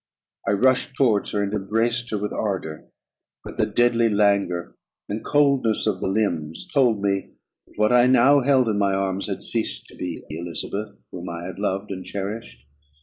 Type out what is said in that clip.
I rushed towards her, and embraced her with ardour; but the deadly languor and coldness of the limbs told me, that what I now held in my arms had ceased to be the Elizabeth whom I had loved and cherished.